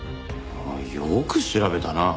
よく調べたな。